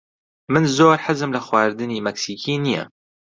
من زۆر حەزم لە خواردنی مەکسیکی نییە.